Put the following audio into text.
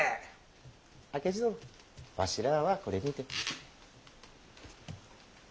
明智殿わしらぁはこれにて。